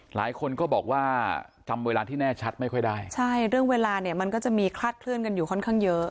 หลายคนก็บอกว่าจำเวลาที่แน่ชัดไม่ค่อยได้ใช่เรื่องเวลาเนี่ยมันก็จะมีคลาดเคลื่อนกันอยู่ค่อนข้างเยอะ